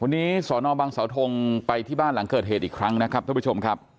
วันนี้สอนอบังเสาทงไปที่บ้านหลังเกิดเหตุอีกครั้งนะครับท่านผู้ชมครับ